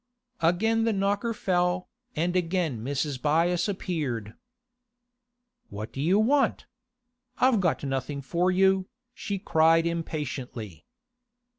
Again the knocker fell, and again Mrs. Byass appeared. 'What do you want? I've got nothing for you,' she cried impatiently.